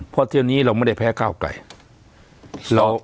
เพราะทีนี้เราไม่ได้แพ้ก้าวกล่าย